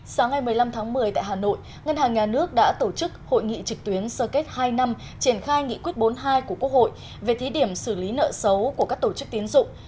sáng ngày một mươi năm tháng một mươi tại hà nội ngân hàng nhà nước đã tổ chức hội nghị trực tuyến sơ kết hai năm triển khai nghị quyết bốn mươi hai của quốc hội về thí điểm xử lý nợ xấu của các tổ chức tiến dụng